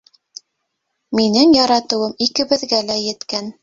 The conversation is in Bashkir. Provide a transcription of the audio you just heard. Минең яратыуым икебеҙгә лә еткән!